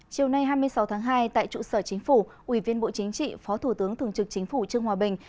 chiều nay hai mươi sáu tháng hai tại trụ sở chính phủ ủy viên bộ chính trị phó thủ tướng thường trực chính phủ trương hòa bình